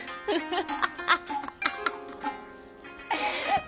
ハハハハハ。